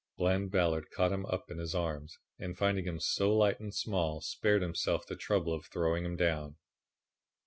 Bland Ballard caught him up in his arms, and finding him so light and small, spared himself the trouble of throwing him down.